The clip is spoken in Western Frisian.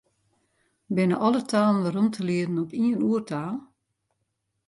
Binne alle talen werom te lieden op ien oertaal?